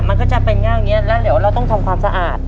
มันก็จะเป็นอย่างนี้แล้วเดี๋ยวเราต้องทำความสะอาด